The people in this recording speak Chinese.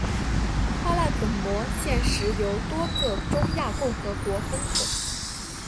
花剌子模现时由多个中亚共和国分统。